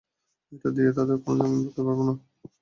এটা দিয়ে তাদেরকে কোনদিন ধরতে পারব না।